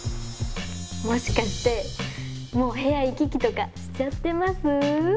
もしかしてもう部屋行き来とかしちゃってます？